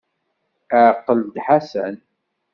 Ɛqel-d Ḥasan.